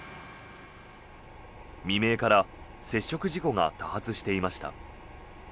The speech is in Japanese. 未明から接触事故が多発していました。